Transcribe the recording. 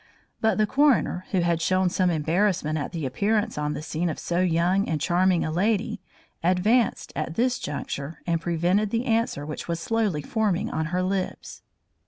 But the coroner, who had shown some embarrassment at the appearance on the scene of so young and charming a lady, advanced at this juncture and prevented the answer which was slowly forming on her lips.